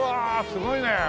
すごいね。